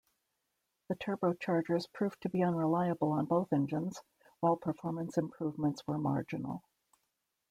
The turbochargers proved to be unreliable on both engines, while performance improvements were marginal.